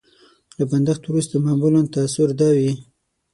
له بندښت وروسته معمولا تاثر دا وي.